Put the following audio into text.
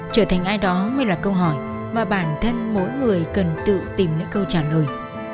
trở thành ai đó mới là câu hỏi mà bản thân mỗi người cần tự tìm lấy câu trả lời